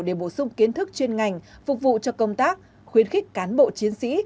để bổ sung kiến thức chuyên ngành phục vụ cho công tác khuyến khích cán bộ chiến sĩ